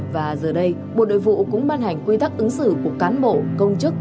và giờ đây bộ nội vụ cũng ban hành quy tắc ứng xử của cán bộ công chức